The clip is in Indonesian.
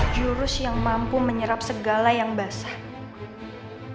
jurus yang mampu menyerap segala yang basah